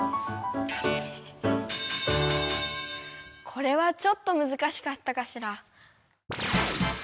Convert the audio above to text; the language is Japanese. これはちょっとむずかしかったかしら？